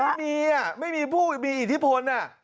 ไม่มีไม่มีผู้มีอิทธิพล